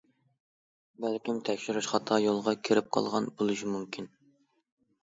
بەلكىم تەكشۈرۈش خاتا يولغا كىرىپ قالغان بولۇشى مۇمكىن.